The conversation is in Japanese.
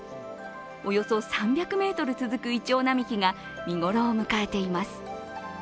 およそ３００ｍ続くいちょう並木が、見頃を迎えています。